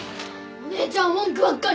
お姉ちゃんは文句ばっかり！